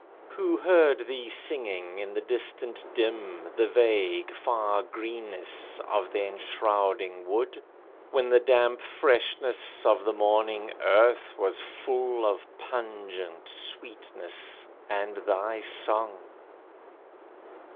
Who heard thee singing in the distance dim, The vague, far greenness of the enshrouding wood, When the damp freshness of the morning earth Was full of pungent sweetness and thy song?